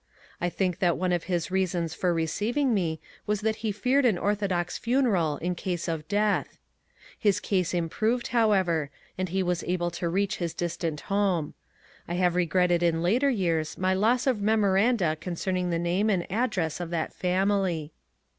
I think that one of his reasons for re ceiving me was that he feared an orthodox funeral in case of death. His case improved, however, and he was able to reach his distant home. I have regretted in later years my loss of memoranda concerning the name and address of that family.